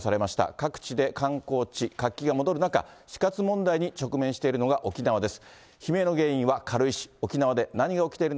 各地で観光地、活気が戻る中、死活問題に直面しているのが沖縄です。